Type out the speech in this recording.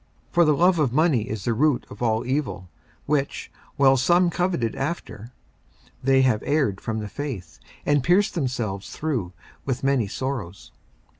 54:006:010 For the love of money is the root of all evil: which while some coveted after, they have erred from the faith, and pierced themselves through with many sorrows.